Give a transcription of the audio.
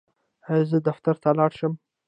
ایا زه دفتر ته لاړ شم؟